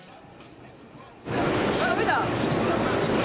あっ、出た。